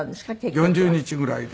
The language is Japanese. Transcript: ４０日ぐらいで。